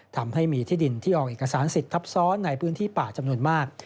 ทำให้มีที่ดินที่ออกเอกสารสิทธิ์ทับซ้อนในพื้นที่ป่าจำนวนมาก